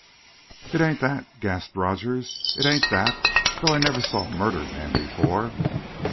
"It ain't that," gasped Rogers. "It ain't that though I never saw a murdered man before."